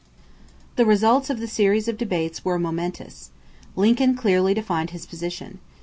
The results of the series of debates were momentous. Lincoln clearly defined his position.